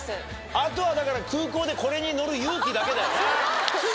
あとはだから空港でこれに乗る勇気だけだよな。